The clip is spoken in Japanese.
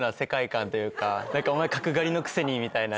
「お前角刈りのくせに」みたいな。